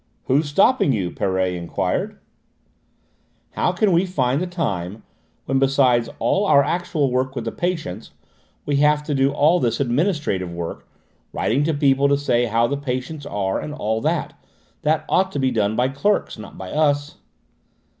"Who's stopping you?" Perret enquired. "How can we find the time, when besides all our actual work with the patients, we have to do all this administrative work, writing to people to say how the patients are, and all that? That ought to be done by clerks, not by us."